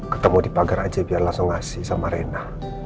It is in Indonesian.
ketemu di pagar aja biar langsung ngasih sama rena